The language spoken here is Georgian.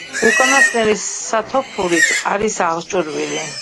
უკანასკნელი სათოფურით არის აღჭურვილი.